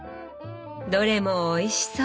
どれもおいしそう！